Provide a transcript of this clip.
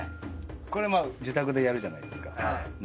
これ自宅でやるじゃないですか。